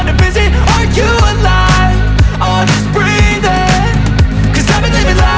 ibu ingin mencoba